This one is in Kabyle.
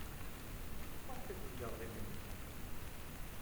Maɣef ay d-tegred iman-nnek?